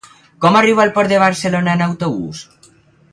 Com arribo al Port de Barcelona en autobús?